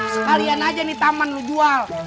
sekalian aja nih taman lu jual